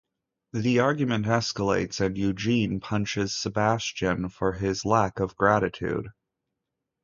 The argument escalates and Eugene punches Sebastian for his lack of gratitude.